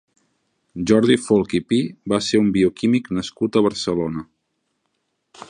Jordi Folch i Pi va ser un bioquímic nascut a Barcelona.